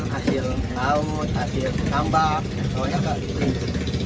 hasil laut hasil tambang semuanya kayak gitu